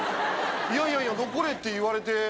いやいや残れって言われて。